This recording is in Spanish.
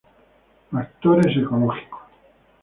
Factores Ecológicos.